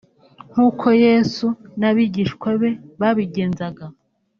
nkuko Yesu n’Abigishwa be babigenzaga